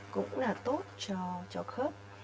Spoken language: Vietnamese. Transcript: cũng là tốt cho khớp